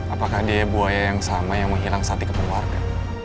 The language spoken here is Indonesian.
apakah dia buaya yang sama yang menghilang sate keperluarga